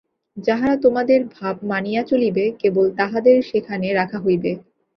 যাহারা তোমাদের ভাব মানিয়া চলিবে, কেবল তাহাদের সেখানে রাখা হইবে।